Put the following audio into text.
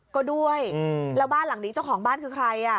ก็ด้วยแล้วบ้านหลังนี้เจ้าของบ้านคือใคร